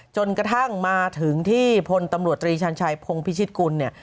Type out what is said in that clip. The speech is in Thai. จนกระทั่งมาถึงที่พลตำรวจตรีชาญชัยพงพิชิตกุลเนี่ย